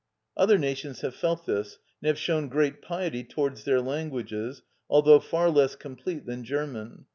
Other nations have felt this, and have shown great piety towards their languages, although far less complete than German.